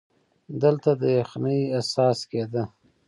دلته د یخنۍ احساس کېده.